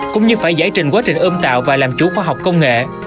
cũng như phải giải trình quá trình ưm tạo và làm chú khoa học công nghệ